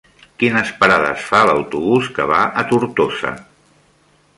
Quines parades fa l'autobús que va a Tortosa?